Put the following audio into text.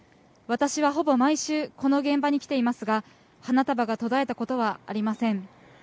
私はほぼ毎週、この現場に来ていますが、花束が途絶えたことはありません。